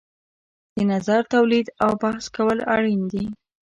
د نظر تولید او بحث کول اړین دي.